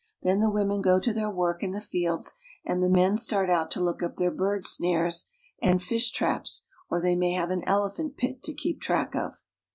Then the women go to their work | in the fields, and the men start out to look up their bird snares and fish traps, or they may have an elephant pit to keep track of.